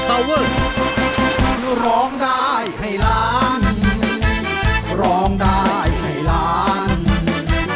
ก็ร้องได้ให้ล้าง